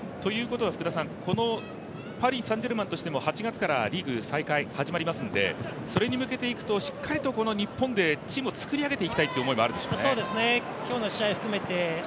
ということは、パリ・サン＝ジェルマンとしても８月からリーグ再開、始まりますので、それに向けていくと、しっかりとこの日本でチームを作り上げていきたいという思いもあるでしょうね。